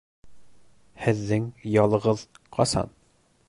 Һеҙҙең ялығыҙ ҡасан?